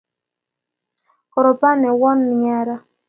koropan newon nea raa